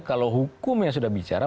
kalau hukum yang sudah bicara